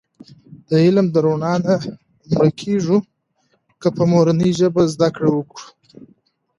د علم د رڼا نه مړکېږو که په مورنۍ ژبه زده کړه وکړو.